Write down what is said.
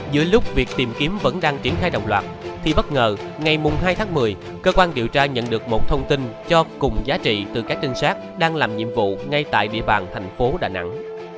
giữa lúc việc tìm kiếm vẫn đang triển khai đồng loạt thì bất ngờ ngày hai tháng một mươi cơ quan điều tra nhận được một thông tin cho cùng giá trị từ các trinh sát đang làm nhiệm vụ ngay tại địa bàn thành phố đà nẵng